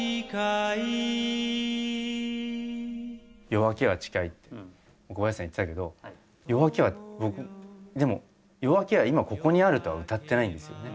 「夜明けは近い」って岡林さん言ってたけどでも「夜明けは今ここにある」とは歌ってないんですよね。